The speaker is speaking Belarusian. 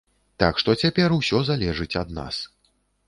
Так што цяпер усё залежыць ад нас.